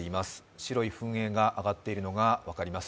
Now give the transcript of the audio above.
白い噴煙が上がっているのが分かります。